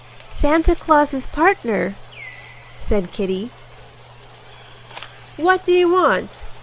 "Santa Claus's partner," said Kitty. "What do you want?"